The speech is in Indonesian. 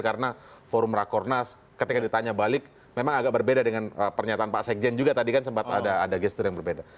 karena forum rakorna ketika ditanya balik memang agak berbeda dengan pernyataan pak sekjen juga tadi kan sempat ada gesture yang berbeda